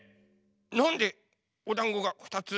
なんでおだんごがふたつ？